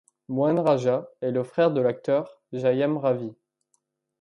Mohan Raja est le frère de l'acteur Jayam Ravi.